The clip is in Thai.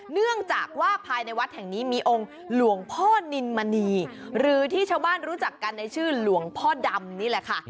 เนื่องจากว่าภายในวัดแห่งนี้มีองค์หลวงพ่อนินมณีหรือที่ชาวบ้านรู้จักกันในชื่อหลวงพ่อดำนี่แหละค่ะ